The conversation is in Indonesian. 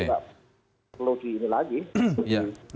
nggak perlu di ini lagi